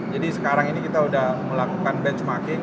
jadi sekarang ini kita sudah melakukan benchmarking